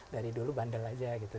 dari dulu bandel aja gitu